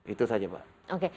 itu saja mbak